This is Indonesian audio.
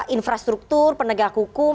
infrastruktur penegak hukum